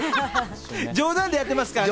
冗談でやってますからね。